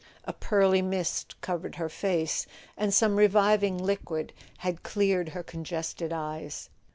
A pearly mist covered her face, and some reviving liquid had cleared her congested eyes.